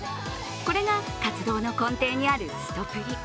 これが活動の根底にあるすとぷり。